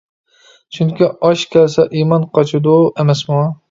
چۈنكى «ئاش كەلسە ئىمان قاچىدۇ» ئەمەسمۇ.